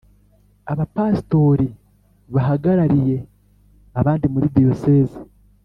Abapastori bahagarariye abandi muri Diyoseze